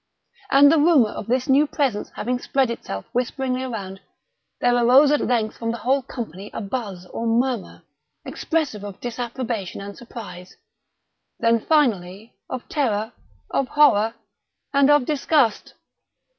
And the rumor of this new presence having spread itself whisperingly around, there arose at length from the whole company a buzz, or murmur, expressive of disapprobation and surprise—then, finally, of terror, of horror, and of disgust.